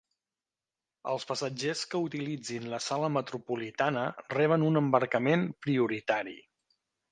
Els passatgers que utilitzin la sala metropolitana reben un embarcament prioritari.